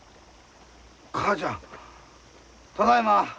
母ちゃんただいま。